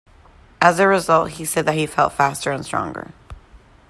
As a result, he said that he felt faster and stronger.